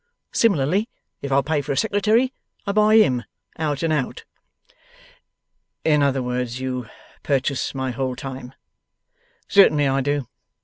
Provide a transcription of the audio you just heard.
Similarly, if I pay for a secretary, I buy HIM out and out.' 'In other words, you purchase my whole time?' 'Certainly I do.